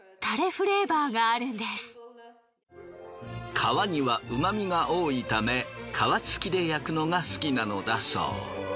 皮にはうま味が多いため皮つきで焼くのが好きなのだそう。